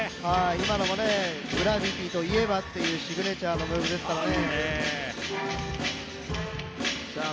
今のもＧｒａｖｉｔｙといえばというシグネチャーのムーブですからね。